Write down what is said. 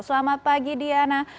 selamat pagi diana